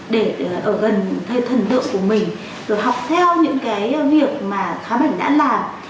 để ở gần thân tượng của mình rồi học theo những cái việc mà khá bảnh đã làm